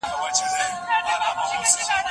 علمي بډاينه په مادي ژوند ژور اغېز لري.